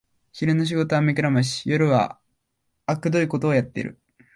昼の仕事は目くらまし、夜はあくどいことをやってる